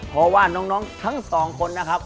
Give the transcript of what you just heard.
เพราะว่าน้องทั้งสองคนนะครับ